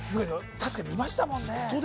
確かに見ましたもんね